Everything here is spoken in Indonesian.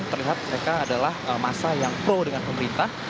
terlihat mereka adalah masa yang pro dengan pemerintah